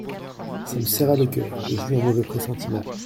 Ça me serra le cœur et j'eus un mauvais pressentiment.